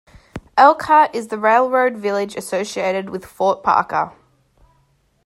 Elkhart is the "railroad village" associated with Fort Parker.